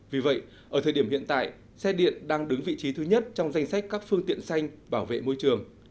vì vậy ở thời điểm hiện tại xe điện đang đứng vị trí thứ nhất trong danh sách các phương tiện xanh bảo vệ môi trường